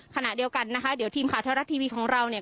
ขณะเดียวกันนะคะเดี๋ยวทีมข่าวเทวรัฐทีวีของเราเนี่ย